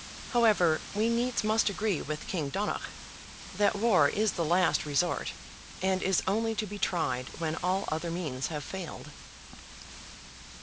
However, we needs must agree with King Donogh, that war is the last resort, and is only to be tried when all other means have failed.